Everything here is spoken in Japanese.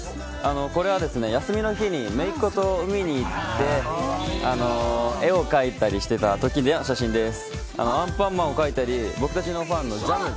これは休みの日に姪っ子と海に行って絵を描いたりしていたときの写真です。